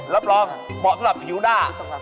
รับรองเหมาะสำหรับผิวหน้า